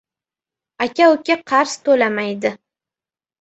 • Aka ukaga qarz to‘lamaydi.